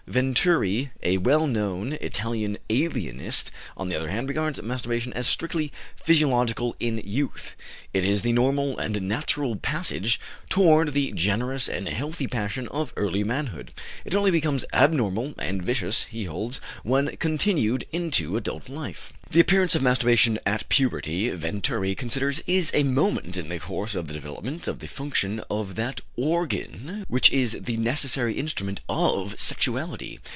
Venturi, a well known Italian alienist, on the other hand, regards masturbation as strictly physiological in youth; it is the normal and natural passage toward the generous and healthy passion of early manhood; it only becomes abnormal and vicious, he holds, when continued into adult life. The appearance of masturbation at puberty, Venturi considers, "is a moment in the course of the development of the function of that organ which is the necessary instrument of sexuality."